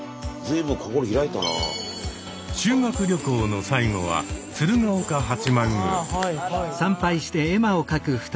修学旅行の最後は鶴岡八幡宮。